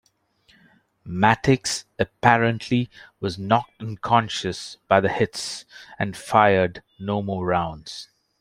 Matix apparently was knocked unconscious by the hits and fired no more rounds.